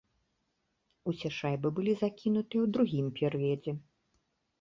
Усе шайбы былі закінутыя ў другім перыядзе.